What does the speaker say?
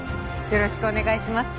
よろしくお願いします